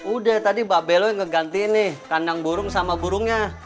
udah tadi mbak belo yang ngeganti nih kandang burung sama burungnya